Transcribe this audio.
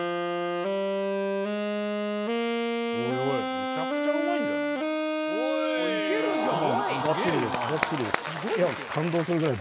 めちゃくちゃうまいんじゃない？いけるじゃん！